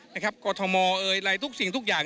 นะครับกรทมอะไรทุกสิ่งทุกอย่าง